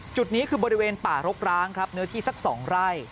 จุดนี้คือบริเวณป่ารกร้างครับเนื้อที่สัก๒ไร่